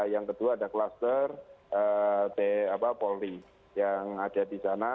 yang kedua ada kluster polri yang ada di sana